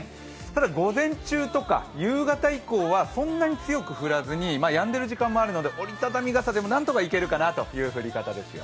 ただ午前中とか夕方以降はそんなに強く降らずに、やんでる時間もあるので折り畳み傘でも何とかいけるかなという降り方ですよ。